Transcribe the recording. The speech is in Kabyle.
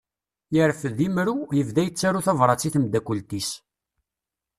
Yerfed imru, yebda yettaru tabrat i tmeddakelt-is.